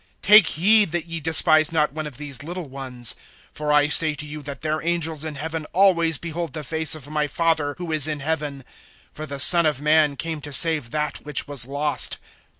(10)Take heed that ye despise not one of these little ones; for I say to you, that their angels in heaven always behold the face of my Father who is in heaven. (11)For the Son of man came to save that which was lost.